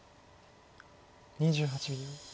２８秒。